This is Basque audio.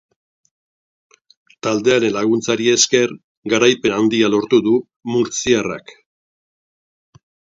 Taldearen laguntzari esker garaipen handia lortu du murtziarrak.